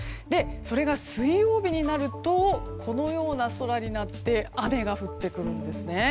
それが水曜日になるとこのような空になって雨が降ってくるんですね。